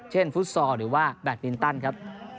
ฟุตซอลหรือว่าแบตมินตันครับ